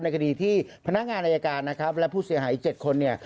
คดีที่พนักงานอายการนะครับและผู้เสียหายอีก๗คนเนี่ย